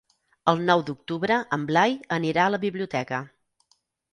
El nou d'octubre en Blai anirà a la biblioteca.